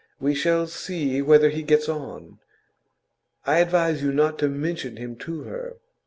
We shall see whether he gets on. I advise you not to mention him to her.